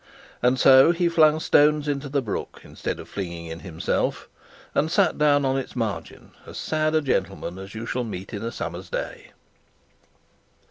and so he flung stones into the brook, instead of flinging in himself, and sat down on its margin as sad a gentleman as you shall meet in a summer's day.